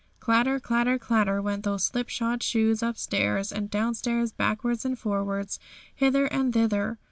Clatter, clatter, clatter, went those slipshod shoes, upstairs and downstairs, backwards and forwards, hither and thither.